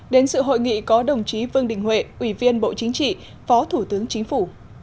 đến sự hội nghị có đồng chí vương đình huệ ủy viên bộ chính trị phó thủ tướng chính phủ